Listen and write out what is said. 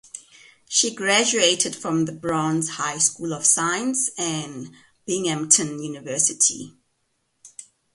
She graduated from The Bronx High School of Science and Binghamton University.